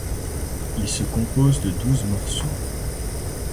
Il se compose de douze morceaux.